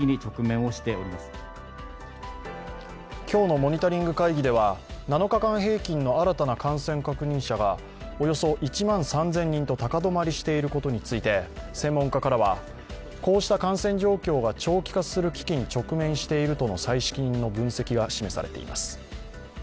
今日のモニタリング会議では７日間平均の新たな感染確認者がおよそ１万３０００人と高止まりしていることについて専門家からは、こうした感染状況が長期化する危機に直面しているとの最新の分析が示されています。